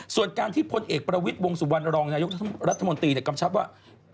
ส่วนการที่พลเอกประวิทย์วงสุวรรณรองนายกรัฐมนตรีกำชับว่า